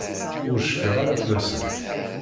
Ur cfiɣ ara fell-asen.